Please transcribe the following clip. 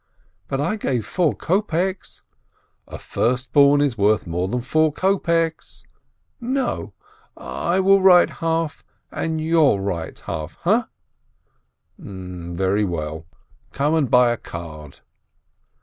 "But I gave four kopeks !" "A first born is worth more than four kopeks." "No! I'll write half, and you'll write half, ha?" "Very well. Come and buy a card."